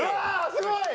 すごい！